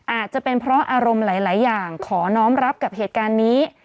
อาจจะเป็นเพราะอารมณ์หลายอย่างขอน้องรับกับเหตุการณ์นี้